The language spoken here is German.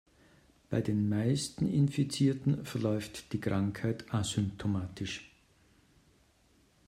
Bei den meisten Infizierten verläuft die Krankheit asymptomatisch.